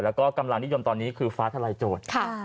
แล้วก็กำลังนิยมตอนนี้คือฟ้าทลายโจทย์